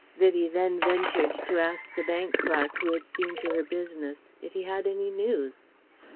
Vivie then ventured to ask the bank clerk who had seen to her business if he had any news.